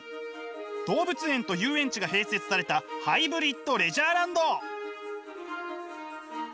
動物園と遊園地が併設されたハイブリッドレジャーランド。